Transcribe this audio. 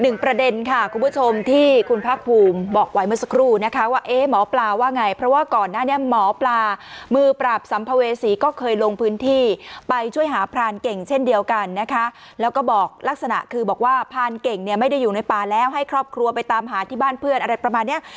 ประเด็นค่ะคุณผู้ชมที่คุณภาคภูมิบอกไว้เมื่อสักครู่นะคะว่าเอ๊ะหมอปลาว่าไงเพราะว่าก่อนหน้านี้หมอปลามือปราบสัมภเวษีก็เคยลงพื้นที่ไปช่วยหาพรานเก่งเช่นเดียวกันนะคะแล้วก็บอกลักษณะคือบอกว่าพรานเก่งเนี่ยไม่ได้อยู่ในป่าแล้วให้ครอบครัวไปตามหาที่บ้านเพื่อนอะไรประมาณเนี้ย